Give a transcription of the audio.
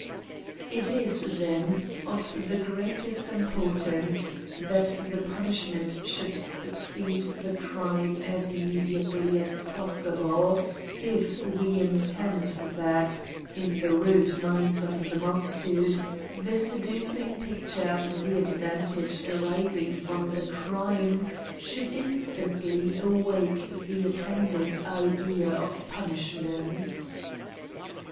It is, then, of the greatest importance that the punishment should succeed the crime as imme diately as possible, if we intend that, in the rude minds of the multitude, the seducing picture of the advantage arising from the crime should in stantly awake the attendant idea of punishment.